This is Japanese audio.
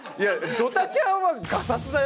ドタキャンはガサツだよ。